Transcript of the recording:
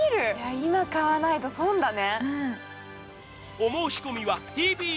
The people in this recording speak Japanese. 今買わないと損だね。